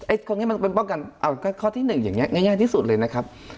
ตรงนี้มันเป็นป้องกันเอาข้อที่หนึ่งอย่างเงี้ง่ายที่สุดเลยนะครับ